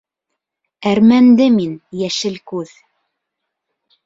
Әрмәнде мин, йәшел күҙ.